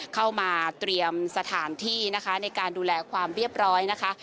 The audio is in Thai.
เข้ามาเตรียมสถานที่นะคะในการดูแลความเรียบร้อยนะคะ